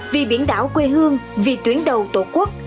vì biển đảo quê hương vì tuyến đầu tổ quốc